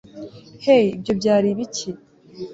hey, ibyo byari ibiki